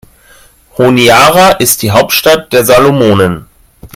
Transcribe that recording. Honiara ist die Hauptstadt der Salomonen.